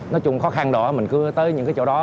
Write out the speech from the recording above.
nói chung khó khăn đó mình cứ tới những cái chỗ đó